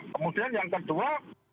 kemudian yang kedua